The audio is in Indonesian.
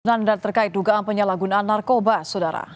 nandar terkait dugaan penyalahgunaan narkoba saudara